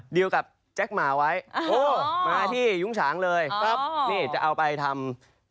เดียวกับแจ็คหมาไว้โอ้มาที่ยุ้งฉางเลยครับนี่จะเอาไปทำ